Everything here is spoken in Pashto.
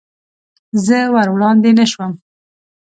زه ور وړاندې نه شوم.